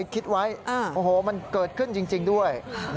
คิดไว้โอ้โหมันเกิดขึ้นจริงด้วย